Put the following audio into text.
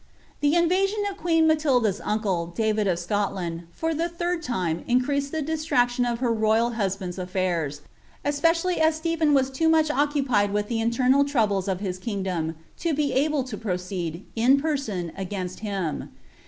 The invasion of qneeu Alalilda's uncle, David of Scotland, lor the third time increased the dialractioa of her royal husband's ai&irs, ttf» r ially as Stephen was loo much occupied with the internal troubles of his kingdom, to be able to proceed, in person, against him.